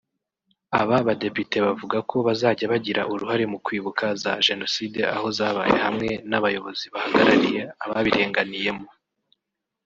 Aba badepite bavuga ko bazajya bagira uruhare mu kwibuka za jenoside aho zabaye hamwe n’abayobozi bahagarariye ababirenganiyemo